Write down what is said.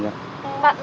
năm mươi nghìn ạ